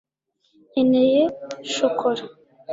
nkeneye shokora